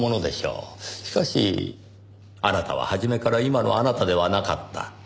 しかしあなたは初めから今のあなたではなかった。